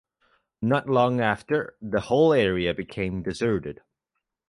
Not long after the whole area became deserted.